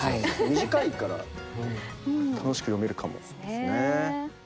短いから楽しく読めるかもですね。